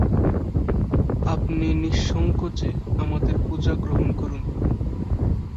আপনি নিঃসংকোচে আমাদের পূজা গ্রহণ করুন।